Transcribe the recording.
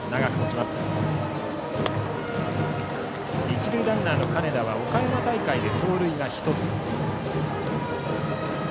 一塁ランナーの金田は岡山大会で盗塁が１つ。